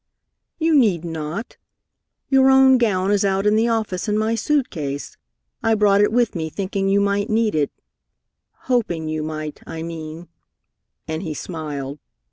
"You need not. Your own gown is out in the office in my suit case. I brought it with me, thinking you might need it hoping you might, I mean;" and he smiled.